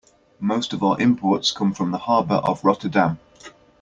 Most of our imports come from the harbor of Rotterdam.